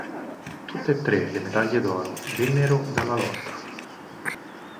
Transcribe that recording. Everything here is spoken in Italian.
Tutte e tre le medaglie d'oro vennero dalla lotta.